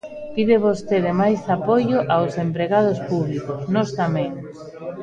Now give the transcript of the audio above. Pide vostede máis apoio aos empregados públicos, nós tamén.